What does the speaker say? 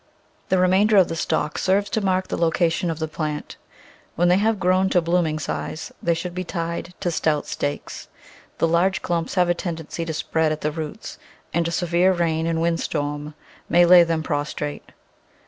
The remainder of the stalk serves to mark the location of the plant. When they have grown to blooming size they should be tied to stout stakes. The large clumps have a tendency to spread at the roots, and a severe rain and wind storm may lay them prostrate.